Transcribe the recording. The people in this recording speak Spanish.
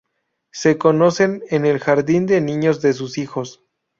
Se conocen en el jardín de niños de sus hijos.